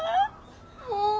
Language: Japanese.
もう！